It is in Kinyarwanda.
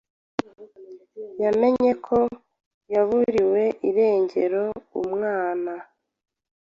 yamenye ko yaburiwe irengero umwana